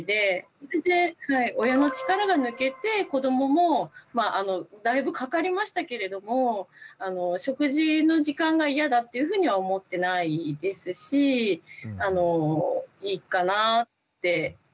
それで親の力が抜けて子どももだいぶかかりましたけれども食事の時間が嫌だっていうふうには思ってないですしいいかなぁって。